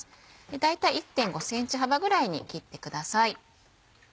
だいたい１．５ｃｍ幅ぐらいに切ってください。